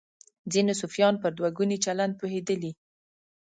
ځینې صوفیان پر دوه ګوني چلند پوهېدلي.